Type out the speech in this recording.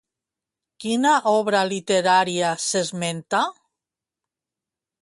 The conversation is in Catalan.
Quina obra literària s'esmenta?